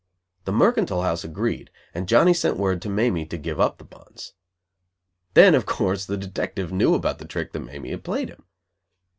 The mercantile house agreed, and Johnny sent word to Mamie to give up the bonds. Then, of course, the detective knew about the trick that Mamie had played him.